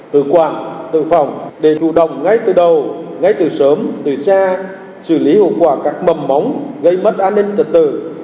tự quản tự phòng để chủ động ngay từ đầu ngay từ sớm từ xa xử lý hậu quả các mầm móng gây mất an ninh trật tự